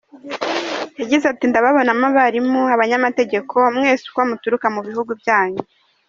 Yagize ati "Ndababonamo abarimu, abanyamategeko, mwese uko muturuka mu bihugu byanyu.